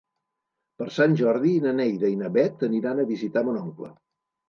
Per Sant Jordi na Neida i na Bet aniran a visitar mon oncle.